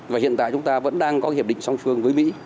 và hiện tại chúng ta vẫn đang có hiệp định song phương với mỹ